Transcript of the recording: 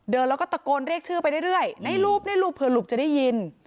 เดินแล้วก็ตะโกนเรียกชื่อไปเรื่อยในลูบเผื่อลูบจะได้ยิน